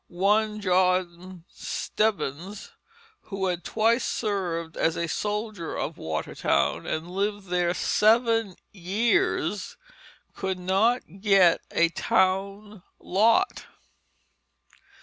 One John Stebbins, who had twice served as a soldier of Watertown and lived there seven years, could not get a town lot.